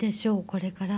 これから。